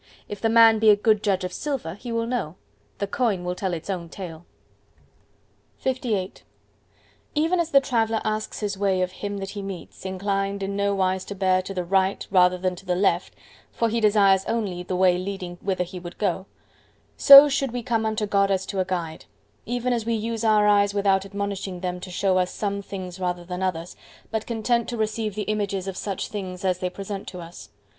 If the man be a good judge of silver, he will know: the coin will tell its own tale. LVIII Even as the traveller asks his way of him that he meets, inclined in no wise to bear to the right rather than to the left (for he desires only the way leading whither he would go), so should we come unto God as to a guide; even as we use our eyes without admonishing them to show us some things rather than others, but content to receive the images of such things as they present to us.